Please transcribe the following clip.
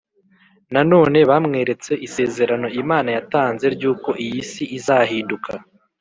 Nanone bamweretse isezerano Imana yatanze ry uko iyi si izahinduka